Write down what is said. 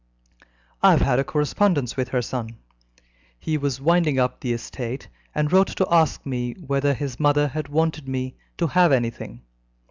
"I have had a correspondence with her son. He was winding up the estate, and wrote to ask me whether his mother had wanted me to have anything.